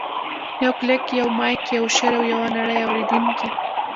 یو کلیک، یو مایک، یو شعر، او یوه نړۍ اورېدونکي.